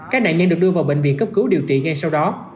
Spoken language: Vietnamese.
các nạn nhân được đưa vào bệnh viện cấp cứu điều trị ngay sau đó